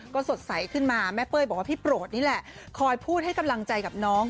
ก็สดใสขึ้นมาแม่เป้ยบอกว่าพี่โปรดนี่แหละคอยพูดให้กำลังใจกับน้อง